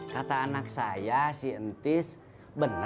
kata anak saya si entis bener mas oja